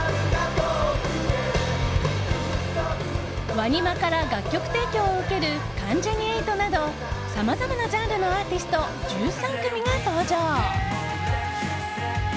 ＷＡＮＩＭＡから楽曲提供を受ける関ジャニ∞などさまざまなジャンルのアーティスト、１３組が登場。